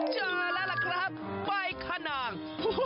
จ้าแล้วล่ะครับไปค่ะนาง